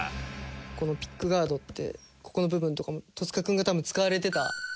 このピックガードってここの部分とかも戸塚君が多分使われてた。